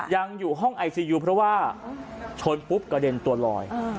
ยังอยู่ห้องไอซียูเพราะว่าชนปุ๊บกระเด็นตัวลอย